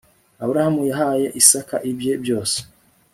aburahamu yahaye isaka ibye byose